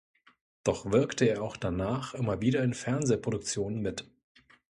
Doch wirkte er auch danach immer wieder in Fernsehproduktionen mit.